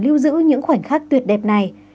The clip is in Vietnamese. lưu giữ những khoảnh khắc tuyệt đẹp này